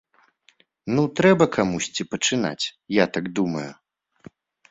Ну трэба камусьці пачынаць, я так думаю.